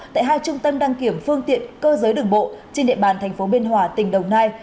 tại hai trung tâm đăng kiểm phương tiện cơ giới đường bộ trên địa bàn tp bht đồng nai